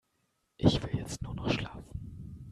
Ich will jetzt nur noch schlafen.